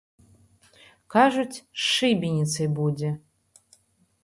Кажуць, з шыбеніцай будзе.